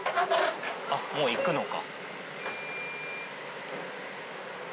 あっもう行くのか。